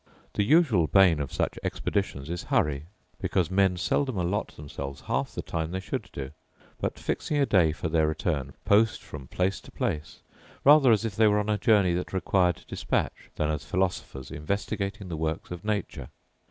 The usual bane of such expeditions is hurry; because men seldom allot themselves half the time they should do: but, fixing on a day for their return, post from place to place, rather as if they were on a journey that required dispatch, than as philosophers investigating the works of nature.